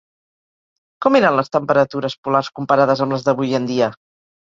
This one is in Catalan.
Com eren les temperatures polars comparades amb les d'avui en dia?